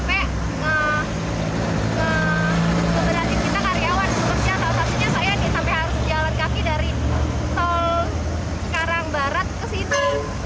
sebenarnya salah satunya saya ini sampai harus jalan kaki dari tol cikarang barat ke situ